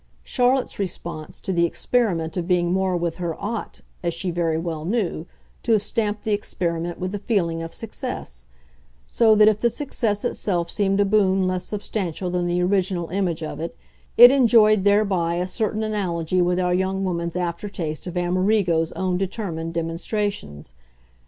Charlotte's response to the experiment of being more with her OUGHT, as she very well knew, to have stamped the experiment with the feeling of success; so that if the success itself seemed a boon less substantial than the original image of it, it enjoyed thereby a certain analogy with our young woman's aftertaste of Amerigo's own determined demonstrations.